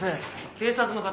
警察の方？